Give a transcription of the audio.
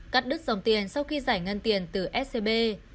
cắt đứt dòng tiền sau khi giải ngân tiền từ scb